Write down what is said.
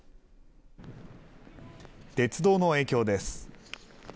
鉄道の影響です。